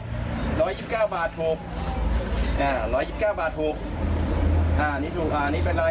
ร้อยยิบเก้าบาทถูกอ่าร้อยยิบเก้าบาทถูกอ่านี้ถูกอ่านี้เป็นไร